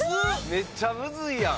めっちゃむずいやん！